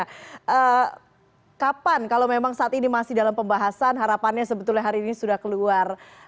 jadi kapan kalau memang saat ini masih dalam pembahasan harapannya sebetulnya hari ini sudah keluar